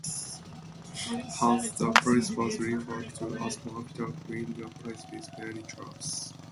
Hence, the place was referred to as "Mabitag" meaning "a place with many traps".